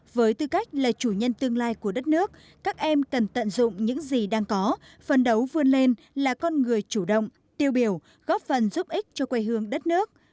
với tư cách là chủ nhân tương lai của đất nước các em cần tận dụng những gì đang có phần đấu vươn lên là con người chủ động tiêu biểu góp phần giúp ích cho quê hương đất nước